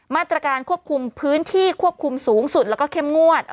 มาตรการควบคุมพื้นที่ควบคุมสูงสุดแล้วก็เข้มงวด